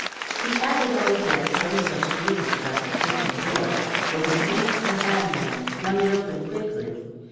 He had, at all events, no such scruples about the kitchen door, for he seized the handle and flung it open quickly.